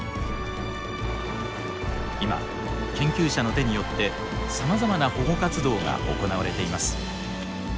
今研究者の手によってさまざまな保護活動が行われています。